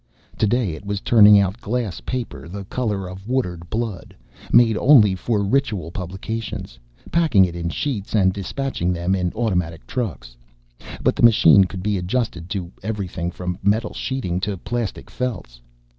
Today it was turning out glass paper the color of watered blood, made only for Ritual publications, packing it in sheets and dispatching them in automatic trucks; but the machine could be adjusted to everything from metal sheeting to plastic felts.